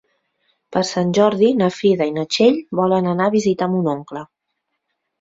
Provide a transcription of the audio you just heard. Per Sant Jordi na Frida i na Txell volen anar a visitar mon oncle.